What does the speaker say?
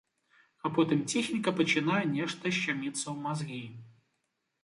А потым ціхенька пачынае нешта шчаміцца ў мазгі.